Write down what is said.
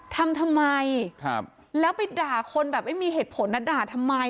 ทำทำไมแล้วไปด่าคนแบบไม่มีเหตุผลนะด่าทำไม